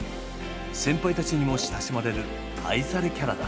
先輩たちにも親しまれる愛されキャラだ。